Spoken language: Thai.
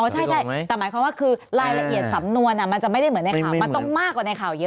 ใช่แต่หมายความว่าคือลายละเอียดสำนวนน่ะมันจะไม่ได้เหมือนในข่าว